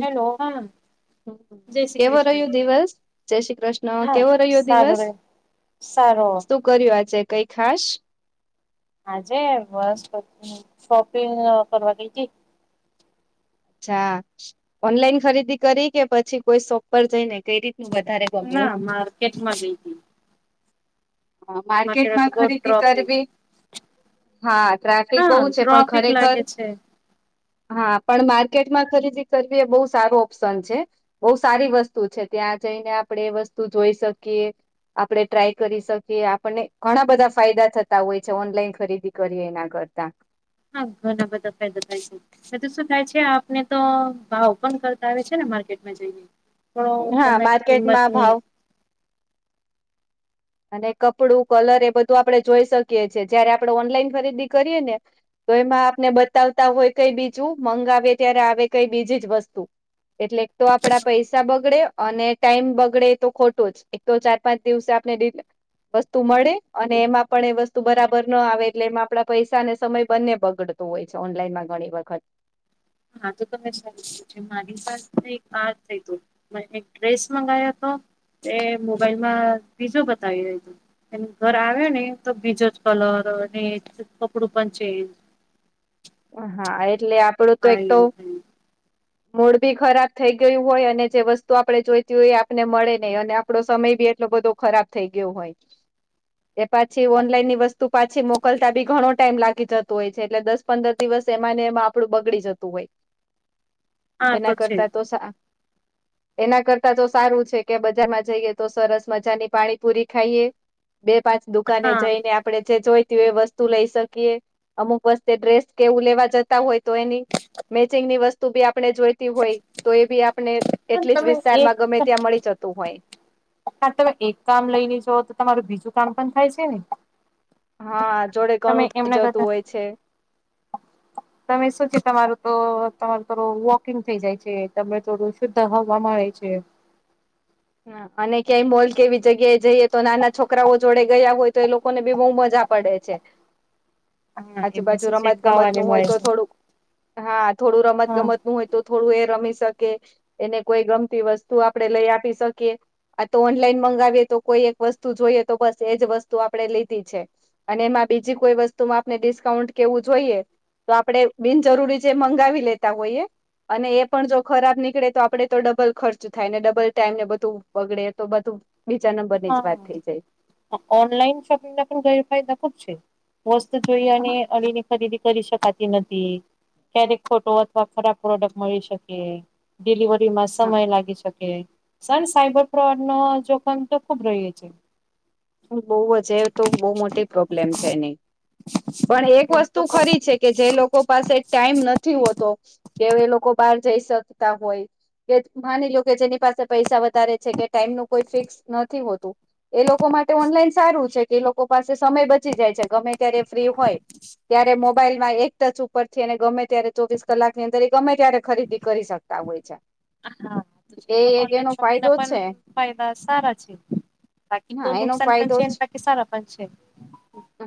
Hello [unintelligible] જય શ્રી કેવો કૃષ્ણ રહ્યો દિવસ, જય શ્રી કૃષ્ણ, હા કેવો રહ્યો સારું દિવસ? રે સારો. શું કર્યુ આજે કઈ ખાસ? આજે બસ શોપિંગ કરવા ગઈ તી. અચ્છા, ઓનલાઈન ખરીદી કરી કે પછી કોઈ શોપ પર જઈને કઈ રીતનું વધારે ના ગમ્યું? માર્કેટમાં ગઈ હતી હ તો માર્કેટમાં બહુ ખરીદી ટ્રોફિક કરવી હા ટ્રાફિક બહુ હા છે પણ, ટ્રોફિક ખરેખર લાગે છે હા પણ મા માર્કેટમાં ખરીદી કરવી એ બહુ સારું ઓપ્શન છે. બહુ સારી વસ્તુ છે, ત્યાં જઈને આપણે એ વસ્તુ જોઈ શકીએ. આપણે ટ્રાય કરી શકીએ, આપણને ઘણા બધા ફાયદા થતા હોય છે ઓનલાઈન ખરીદી કરીએ એના કરતા. હા ઘણા બધા ફાયદા થાય છે. પસી તો શું થાય છે આપને તો ભાવ પણ કરતા આવે છે ને માર્કેટમાં જઈને પણ હા તમને માર્કેટમાં કિંમતની ભાવ અને કપડું કલર એ બધું આપણે જોઈ શકીએ છેએ જયારે આપણે ઓનલાઈન ખરીદી કરીએને તો એમાં આપને બતાવતા હોય કઈ બીજું મંગાવે ત્યારે આવે કઈ બીજી જ વસ્તુ. એટલેક તો આપડા પૈસા બગડે અને ટાઈમ બગડે તો ખોટો જ એક તો ચાર-પાંચ દિવસે આપણે રીત વસ્તુ મળે અને એમાં પણ એ વસ્તુ બરાબર ન આવે એટલે એમાં આપડા પૈસાને અને સમય બંને બગડે. હોય છે, ઓનલાઈનમાં ઘણી વખત હા તો તો પછી [unintelligible] મારી પાસે એક પાસ થઈ ગયું. મે એક ડ્રેસ મંગાવ્યોતો એ મોબાઈલમાં બીજું બતાવી રહ્યો. એમ ઘર આવ ને તો બીજો જ કલર અને કપડું પણ ચેન્જ. હા, એટલે આપડું તો એક તો આયું થયું મૂડભી ખરાબ થઈ ગયું હોય અને જે વસ્તુ આપડે જોઈતી હોય એ આપને મળે નહી અને આ પડો સમય બી એટલો બધો ખરાબ થઈ ગયો હોય. એ પાછી ઓનલાઈનની વસ્તુ પાછી મોકલતા બી ઘણો ટાઈમ લાગી જતો હોય છે એટલે દસ પંદર દિવસ એમાંને એમાં આપડું બગડી જતું હોય. આ એના છે કરતા તો સા આ એના કરતા તો સારું છે કે બજારમાં જઈએ તો સરસ મજાની પાણીપુરી ખાઈએ. બે પાંચ દુકાને હા જઈને આપડે જે જોઈતી હોય એ વસ્તુ લઈ શકીયએ અમુક વસ્ તે ડ્રેસ કેવું લેવા જતા હોય તો એની મેચિંગની વસ્તુ બી આપણે જોઈ તી હોય તો એ બી આપને એટલી જ તમે એક વિસ્તારમાં ગમે ત્યાં મળી જતું હોય. હા તો એક કામ લઈને જાઓ તો તમારું બીજું કામ પણ થાય છે ને? હા જોડે તમે ઘણું થઈ એમના જતું કરતા હોય છે. તમે શું છે તમારું તો તમારું થોડું વોકિંગ થઈ જાય છે તમે થોડું સુધા હવમાં હોય છે. હા અને ક્યાંય મોલ કેવી જગ્યાએ જઈએ તો નાના છોકરાઓ જોડે ગયા હોય તો એ લોકો ને બહુ મજા પડે છે. હા એમને આજુબાજુ શું છે રમત ગમત ખાવાને નું હોય મળે તો છે થોડુંક હા થોડું રમત હા ગમતનું હોય તો થોડું એ રમી શકે એને કોઈ ગમતી વસ્તુ આપડી લઈ આપી શક કે આ તો ઓનલાઈન મંગાવીએ તો કોઈ એક વસ્તુ જોઈએ તો બસ એજ વસ્તુ આપડે લીધી છે. અને એમાં બીજી કોઈ વસ્તુમાં આપને ડિસ્કાઉન્ટ કેવું જોઈએ તો આપડે બિનજરૂરી જે મંગાવી લેતા હોઈએ અને એ પણ જો ખરાબ નીકળે તો આપડે તો ડબલ ખર્ચ થાય ને ડબલ ટાઈમ ને બધ તું બગડે તો બધું બીજા નંબર ની જ હા વાત થઈ જાય. ઓનલાઈન શોપિંગના પણ ના ગેરફાયદા ખૂબ છે. વસ જોઈ અને અળીની ખરીદી કરી શકાય. કે નથી ક્યારેક ખોટો અથવા ખરાબ પ્રોડક્ટ મળી શકે ડિલિવર તેમાં હા સમય લાગી શકે સન સાયબર ફ્રોડનો જોખમ તો ખુબ રહ્યો છે. બઉુ હજે તો બઉુ મોટી પ્રોબ્લેમ છે એની. પણ એક વસ્તુ ખરી છે કે જે લોકો પાસે ટાઈમ નથી હોતો કે અવે લોકો બહાર જઈ શકતા હોય કે માનીલો કે જેની પાસે પૈસા વધ ધારે છે કે ટાઈમનું કોઈ ફિક્સ નથી હોતું. કો માટે ઓનલાઈન સારું છે કે એ લોકો પાસે સમય બચી જાય છે ગમે ત્યારે ફ્રી હોય ત્યારે મોબાઈલમાં એક ટચ ઉપરથી ગમે ત્યારે ચોવીસ કલાક ની અંદર એ ગમે ત્યારે ખરીદી કરી શકતા હોય છે. હા એ ઓનલાઈન એરિયા શોપિંગ ફાયદો ના પણ છે ફાયદા સારા છે બાકીતો હા એનો નુકસાન પણ ફાયદો છેન છે બાકી સારા પણ છે.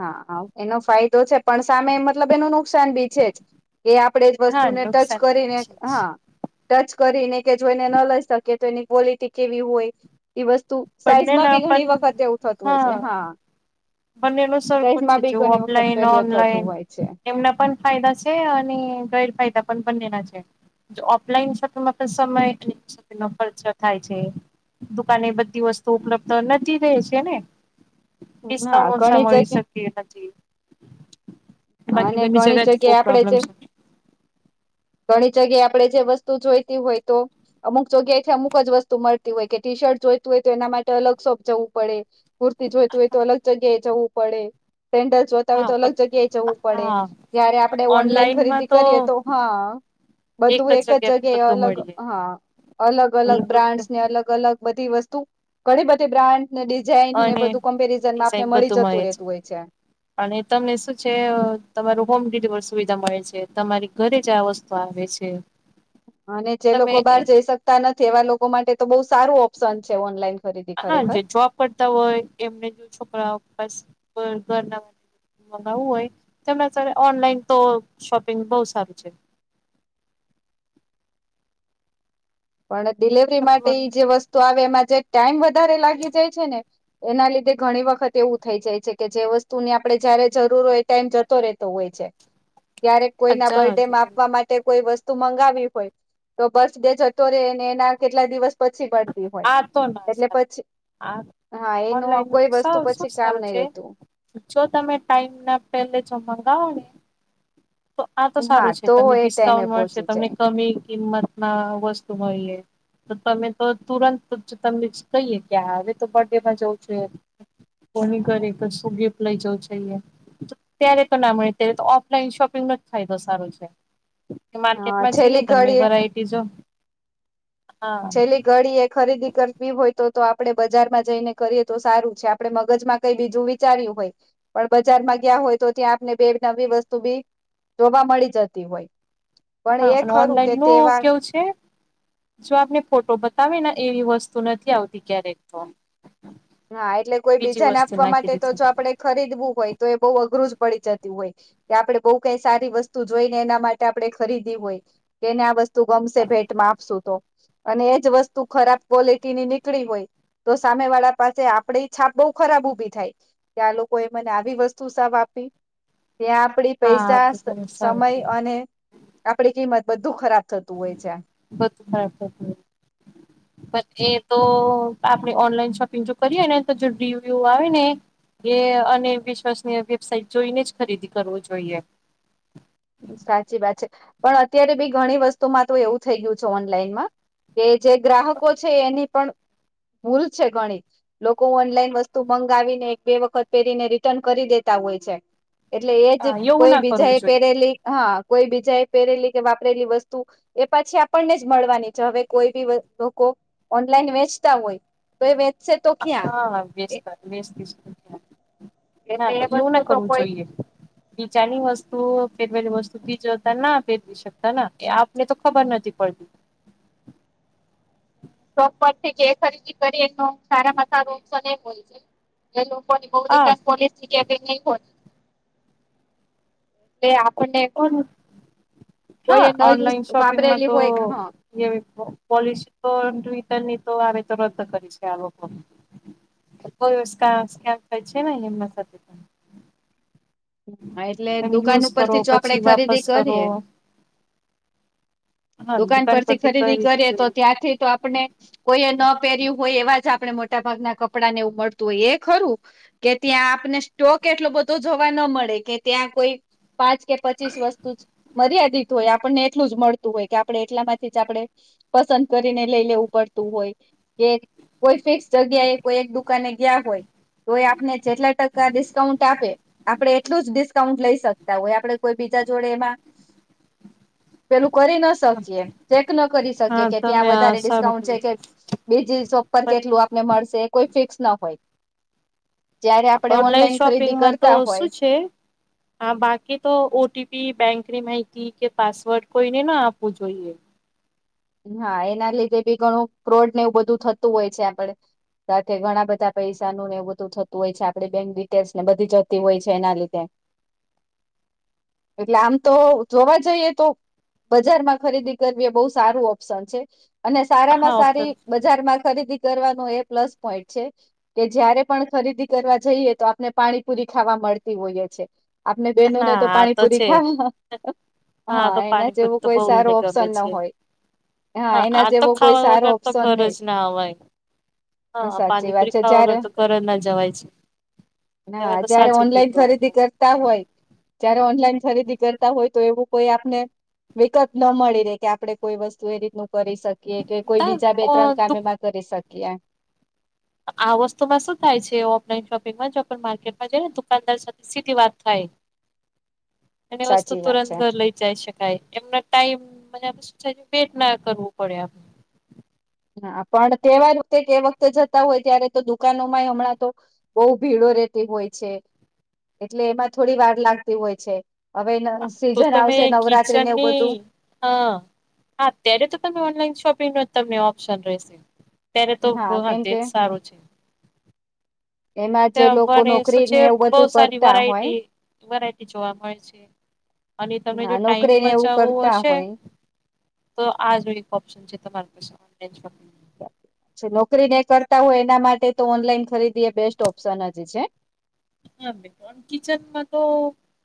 હા આ ઓ એનો ફાયદો છે પણ સામે મતલબ એનું નુકસાન બી છે જ. એ આપડે જ હા વસ્તુને ટચ નુકસાન બી કરીને છે જ. હા ટચ કરીને કે જોઈને ન લઈ શકે તો એની ક્વોલિટી કેવી હોય એ વસ્તુ બંને સાઈઝમાં ના બી ઘણી પણ વખતે એવુ થતું હોય છે હા. બંનેનું સરખું જ સાઈઝમાં છે બી જો ઘણી વખત ઓફલાઈન પેલું એ થતું ઓનલાઈન હોય છે એમના પણ ફાયદા છે અને ગેરફાયદા પણ બનેનાં છે. ઓફલાઈનમાં પણ સમય એટ ખર્ચો થાય છે એ. દુકાનેએ બધી વસ્તુ ઉપલબ્ધ નથી રહેે છે ને? હા ડિસ્કાઉન્ટ સા ઘણી મળી જગ્યા શક્ય નથી બાકી અને ઘણી ઘની જગ્યાથી બહુ જગ્યા આપડે પ્રોબ્લેમ જે છે ઘણી જગ્યાએ આપડે જે વસ્તુ જોઈતી હોય તો અમુક જગ્યાએથી અમુક જ વસ્તુ મળતી હોય કે ટીશર્ટ જોઈતું હોય તો એના માટે અલગ શોપ જવું પડે. કુર્તી જોઈતી હોય તો અલગ જગ્યાએ જવું પડે, સેન્ડલ જોતા હોય હા તો અલગ જગ્યાએ પણ જવું પડે, હા જયારે આપણે ઓનલાઈન ખરીદી કરીએ તો હા. બધું એક જ જગ્યા જગ્યાએ બધું અલગ, મળી જાય. હા, અલગ અલગ બ્રાન્ડસને અલગ અલગ બધી વસ્તુ, ગણી બધી બ્રાન્ડ ને ડિઝાઇનને અને બધું કમ્પેરિઝનમાં ડિઝાઇન આપને મળી બધું મળે જતું રહેતું હોય છે. અને તમને શું છે તમારું હોમડીલીવર સુવિધા મળે છે, તમારી ઘરે જ આ વસ્તુ આવે છે. અને જે તમે લોકો બહાર જઈ સકતા નથી એવા લોકો માટે તો બહુ સારું ઓપ્શન છે ઓનલાઈન ખરીદી. હા ખરેખર જે જોબ કરતા હોય એમને જો છોકરાઓ ઘર ના મગાવું હોય તેમ અત્યારે ઓનલાઈન તો શોપિંગ બહુ સારું છે. પણ ડિલવરી માટે જે વસ્તુ આવે એમાં જે ટાઈમ વધારે લાગી જાય છે ને એના લીધે ઘણી વખત એવું થઈ જાય છે કે જે વસ્તુ ની આપડે જયારે જરૂર હોય એ ટાઈમ જતો રહેતો હોય છે. ક્યારેક કોઈના બર્થડેમાં આપવા માટે કોઈ વસ્તુ મંગાવી હોય તો બર્થડે જ તો રે ને એના કેટલા દિવસ પછી પડતી હોય આ તો ના એટલે સારું પછી આ હા એનું ઓનલાઈન નું કોઈ તો વસ્તુ સારું શું પછી કામ સારું નઈ છે રેતું. જો તમે ટાઈમના પેલે જો મંગાવોને તો આ તો હા સારું છે તો તમને એ ટાઈમે ડિસ્કાઉન્ટ મળશે, પહોંચી તમને જાય કમી કિંમત ના વસ્તુ મળીએ તો તમે તો તુરંત તમને કહીએ કે આ હવે તો બર્થડેમાં જવું જોઈએ. કોની કરે તો શું ગિફ્ટ લઈ જવું જઈએ? ત્યારે તો ના મળે ત્યારે તો ઓફલાઈન શોપિંગ નો જ ફાયદો સારો છે. [inaudible] કે માર્કેટમાં જઈએ છેલ્લી તમને ઘડીએ વેરાયટી જો. હા છેલ્લી ઘડીએ ખરીદી કરવી હોય તો તો આપડે બજારમાં જઈને કરીએ તો સારું છે. આપડે મગજમાં કઈ બીજું વિચાર્યું હોય પણ બજારમાં ગયા હોય તો ત્યાં આપને બે નવી વસ્તુ બી જોવા મળી જતી હોય. પણ હા એ અને ખરું ઓનલાઈન કે નું હું તહેવાર કેવું છે? જો આપને ફોટો બતાવે ને એવી વસ્તુ નથી આવતી ક્યારેક તો હા એટલે કોઈ બીજી બીજાને વસ્તુ આપવા નાખી માટે દે તો છે. જો આપડે ખરીદવું હોય તો એ બહુ અઘરું જ પડી જતું હોય. કે આપણે બહુ કઈ સારી વસ્તુ જોઈ ને એના માટે આપણે ખરીદી હોય કેને આ વસ્ત તું ગમશે ભેટમાં આપશુ તો. અને એજ વસ્તુ ખરાબ ક્વોલિટીની નીકળી હોય તો સામે વાળા પાસે આપડી છાપ બહુ ખરાબ ઊભી થાય કે આ લોકો એ મને આવી વસ્તુ સાવ આપી. ત્યાં આપડી હા પૈસા, તો તમે સારું સમય કીધું અને આપડી કિંમત બધું ખરાબ થતું હોય છે. બદ હા બધું. [inaudible] એ તો આપણે ઓનલાઈન શોપિંગ જો કરીએ ને તો જો રિવ્યુ આવે ને એ અને વિશ્વાસનીય વેબસાઇટ જોઈને જ ખરીદી કરવો જોઈએ. સાચી વાત છે, પણ અત્યારે બી ઘણી વસ્તુમાં તો એવું થઈ ગયું છે ઓનલાઈનમાં. કે જે ગ્રાહકો છે એની પણ ભૂલ છે ઘણી. લોકો ઓનલાઈન વસ્તુ મંગાવીને એક બે વખત પહેરીને રિટર્ન કરી દેતા હોય છે. એટલે એજ હા એવું કોઈ ના બીજા કરવું એ જોઈએ. પહેરેલી, હા. કોઈ બીજા એ પહેરેલી કે વાપરેલી વસ્તુ એ પાછી આપણને જ મળવાની છે. હવે કોઈ બી લોકો ઓનલાઈન વેચતા હોય તો એ વેચશે તો ક્યાં? હા [inaudible] ના એટલે એ પછી એવું વસ્તુ ના તો કરવું કોઈ જોઈએ. બીજાની વસ્તુ [unintelligible] [inaudible] એ આપને તો ખબર નથી પડતી. [unintelligible] ખરીદી કરીએ તો સારામાં સારું ઓપ્શન [unintelligible] છે. જે લોકોની બહું હા રિટર્ન પોલિસી કે એવી નહીં હોય [unintelligible] પણને કોઈ હા એ ન યુઝ વાપરેલી હોય, હા. એવી પો પોલિસી [unintelligible] આ લોકો. [inaudible] હાં એટલે તમે દુકાન યુઝ ઉપર કરો થી જો આપણે પછી વાપસ ખરીદી કરો કરીએ હા દુકાન પરથી કઈ ખરીદી રીતે કરીએ તો કર્યું ત્યાંથી તો આપને કોઈએ ન પહેર્યું હોય એવા જ આપણે મોટા ભાગના કપડાં ને એવું મળતું હોય એ ખરું. કે ત્યાં આપને સ્ટોક એટલો બધો જોવા ન મળે કે ત્યાં કોઈ પાંચ કે પચીસ વસ્તુ જ મર્યાદિત હોય આપણને એટલું જ મળતું હોય, કે આપણે એટલામાંથી જ આપણે પસંદ કરીને લઈ લેવું પડતું હોય. કે કોઈ ફિક્સ જગ્યા એ કોઈ એક દુકાને ગયા હોય તો એ આપને જેટલા ટકા ડિસ્કાઉન્ટ આપે આપણે એટલું જ ડિસ્કાઉન્ટ લઈ શકતા હોય, આપડે કોઈ બીજા જોડે એમાં પેલું કરી ન શકીએ, ચેક ન કરી શકીએ, હા કે ત્યાં તમે આ વધારે સારું ડિસ્કાઉન્ટ છે કર્યું કે બીજી શોપ પર કેટલું આપને મળશે એ કોઈ ફિક્સ ન હોય. જયારે આપડે ઓનલાઈન ખરીદી કર શોપિંગમાં તો શું છે હા. બાકી તો ઓ ટી પી, બેંકની માહિતી કે પાસવર્ડ કોઈને ના આપવું જોઈએ. હા. એના લીધે બી ઘણું ફ્રોડને એવું બધું થતું હોય છે આપડે. સાથે ઘણા બધા પૈસાનું ને એવું બધું થતું હોય છે, આપણી બેંક ડિટેલ્સ ને બધી જતી હોય છે એના લીધે. [inaudible] એટલે આમ તો જોવા જઈએ તો બજાર માં ખરીદી કરવી એ બહુ સ સારું ઓપ્શન છે. અને સારામાં હા સારી ઓપ્શન છે બજારમાં ખરીદી કરવાનો એ પ્લસ પોઈન્ટ છે કે જયારે પણ ખરીદી કરવા જઈએ તો આપને પાણીપુરી ખાવા મળતી હોઈએ છે. આપને બેનો ને હા તો આ પાણીપુરી છે. [unintelligible] તો હા એના જેવો પાણીપુરી તો કોઈ બહુ સારો એને ગમે ઓપ્શન ન છે. હોય. [unintelligible] હા એના આ તો જેવો કોઈ ખાવા સારો વગર તો ઓપ્શન ઘર નહીં. જ ના અવાય હા પાણીપુરી ખાવા વગર તો ઘર જ ના જવાય છ. હા. જયારે ઓનલાઈન આ તો. ખરીદી કરતા હોય જયારે ઓનલાઈન ખરીદી કરતા હોય તો એવું કોઈ આપને વિગત ન મળી રહેે કે આપડે કોઈ વસ્તુ એ રીતનું કરી શકીએ કે કોઈ તા બીજા બે અ ત્રણ કામ દુ એમાં કરી શકીએ. આ વસ્તુમાં શું થાય છે ઓફલાઈન શોપિંગમાં, જો આપન માર્કેટમાં જઈએ તો દુકાનદાર સાથે સીધી વાત થાય. [inaudible] અને વસ્તુ વાત તુરંત છે ઘર લઈ જાય શક [unintelligible] એમના ટાઈમ [inaudible] વેટ ના કરવું પડે આપ હા. પણ તહેવાર કે તે વખતે જતા હોય ત્યારે તો દુકાનો માંઈ હમણાં તો બહુ ભીડો રહેતી હોય છે, એટલે એમાં થોડી વાર લાગતી હોય છે. હવે ન તો સીઝન તમે આવશે નવરાત્રીને એવું કિચનની બધું હા હા અત્યારે તો તમે ઓનલાઈન શોપિંગ નો તમને ઓપ્શન રહેશે. અત્યારે તો હા કેમ તેજ કે સારું છે. એમાં જે ત્યાં લોકો બને શું નોકરીને છે એવું બહુ બધું સારી કરતા હોય વેરાયટી વેરાયટી જોવા મળે છે અને તમને જો હા ટાઈમ નોકરીને એવું બચાવવો કરતા છે હોય તો આ જો એક ઓપ્શન છે તમારી પાસે ઓનલાઈન શોપિંગ. જે નોકરી ને એ કરતા હોય એના માટે તો ઓનલાઈન ખરીદી એ બેસ્ટ ઓપ્શન જ છે. હ બે ઓન કિચનમાં તો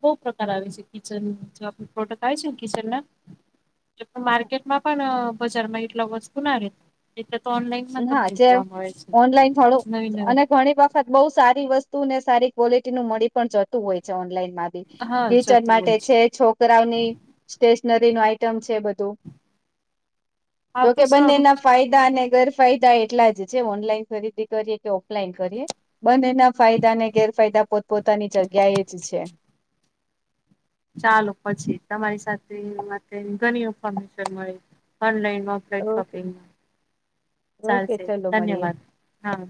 બહુ પ્રકાર આવે છે કિચન જો આપના પ્રોડક્ટ આવે છે કિચન ના [inaudible] જબ માર્કેટમાં પણ અહ બજારમાં એટલા વસ્તુ ના રહેે. એટલે તો ઓનલાઈન માં હા તમને જે જોવા મળે છે ઓનલાઈન થોડું નવી નવી. અને ઘણી બહુ સારી વસ્તુ ને સારી ક્વોલિટી નું મળી પણ જતું હોય છે ઓનલાઈન માં. હા કિચન જતું હોય માટે છે છોકરાઓની સ્ટેશનરી નું આઈટમ છે બધું. હા તો જોકે સારું બંનેના છે. ફાયદા અને ગેર ફાયદા એટલા જ છે ઓનલાઈન ખરીદી કરીએ કે ઓફલાઈન કરીએ. બને એના ફાયદા ને ગેરફાયદા પોતપોતાની જગ્યા એ જ છે. ચાલો પછી તમારી સાથે એમાં તે ઘણી ઇન્ફોર્મેશન મળી. ઓનલાઈનમાં તે ઓકે શોપિંગ ઓકે ચાલશે ચલો મળીએ ધન્યવાદ હા.